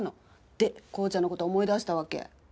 で紘ちゃんの事思い出したわけ。